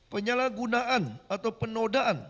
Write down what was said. penyalahgunaan atau penodaan